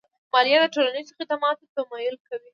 مالیه د ټولنیزو خدماتو تمویل کوي.